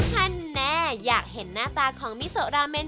แน่อยากเห็นหน้าตาของมิโซราเมน